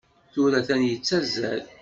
Tura atan yettazzal.